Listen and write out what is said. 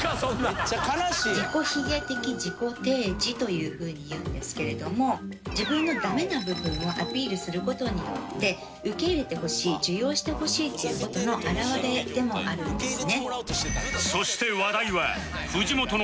めっちゃ悲しいやん。というふうに言うんですけれども自分のダメな部分をアピールする事によって受け入れてほしい受容してほしいっていう事の表れでもあるんですね。